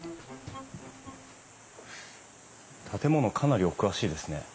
建物かなりお詳しいですね。